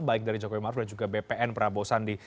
baik dari jokowi maruf dan juga bpn prabowo sandi